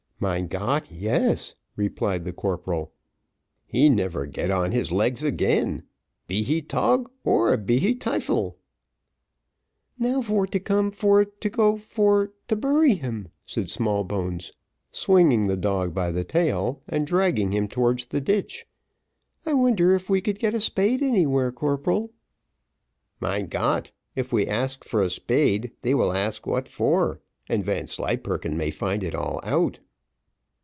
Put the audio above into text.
"Mein Gott, yes!" replied the corporal. "He never get on his legs again, be he tog or be he tyfel." "Now for to come for to go for to bury him," said Smallbones, swinging the dog by the tail, and dragging him towards the ditch. "I wonder if we could get a spade anywhere, corporal." "Mein Gott! if we ask for a spade they will ask what for, and Vanslyperken may find it all out."